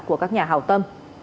của các nhà hào tâm